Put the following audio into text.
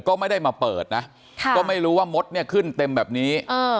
ก็ไม่ได้มาเปิดนะก็ไม่รู้ว่ามดเนี่ยขึ้นเต็มแบบนี้